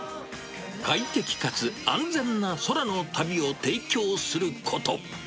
快適かつ安全な空の旅を提供すること。